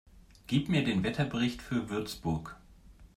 Gib mir den Wetterbericht für Würzburg